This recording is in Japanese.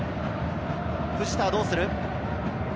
藤田はどうする？